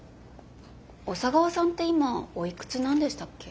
小佐川さんって今おいくつなんでしたっけ？